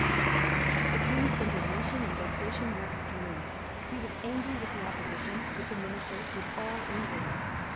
The King's indignation and vexation were extreme. He was angry with the opposition, with the ministers, with all England.